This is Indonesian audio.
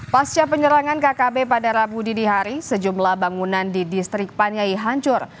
pasca penyerangan kkb pada rabu didi hari sejumlah bangunan di distrik panyai hancur